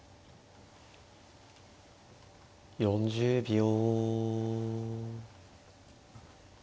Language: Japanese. ４０秒。